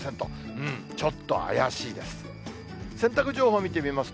うーん、ちょっと怪しいです。